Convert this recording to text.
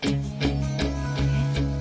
えっ？